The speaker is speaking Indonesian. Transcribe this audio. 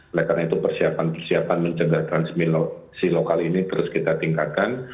oleh karena itu persiapan persiapan mencegah transmisi lokal ini terus kita tingkatkan